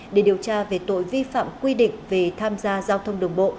để điều tra về tội vi phạm quy định về tham gia giao thông đường bộ